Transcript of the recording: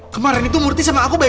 tapi waktu itu kita belum kenal